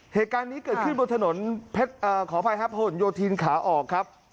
เหตุการณ์นี้เกิดขึ้นบนถนนขออภัยครับผลโยธินขาออกครับ